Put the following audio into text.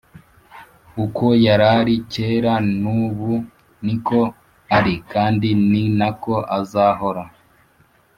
uko yarari kera nubu niko ari kandi ninako azahora